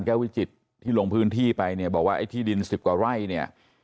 วิจิตรที่ลงพื้นที่ไปเนี่ยบอกว่าไอ้ที่ดินสิบกว่าไร่เนี่ย